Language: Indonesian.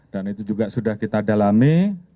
dan itu juga sudah kita dalami